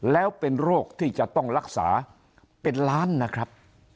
แล้วเป็นโรคที่จะต้องรักษาเป็นล้านนะครับ